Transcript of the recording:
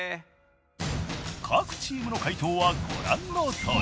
各チームの解答はご覧のとおり。